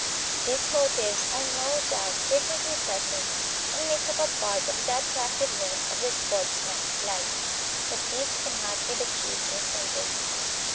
These motives are no doubt frequently present and make up a part of the attractiveness of the sportsman's life; but these can not be the chief incentives.